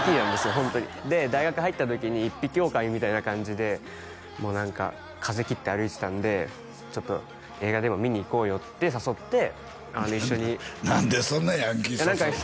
ホントにで大学入った時に一匹おおかみみたいな感じでもう何か風切って歩いてたんで「ちょっと映画でも見に行こうよ」って誘って一緒に何でそんなヤンキー誘うん？